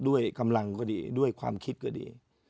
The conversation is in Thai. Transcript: ด้วยกำลังก็ดีด้วยความคิดก็ดี